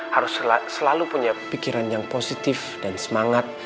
harus selalu punya pikiran yang positif dan semangat